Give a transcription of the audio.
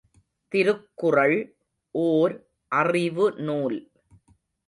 திருக்குறள் ஓர் அறிவுநூல்.